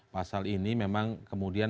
pasal ini memang kemudian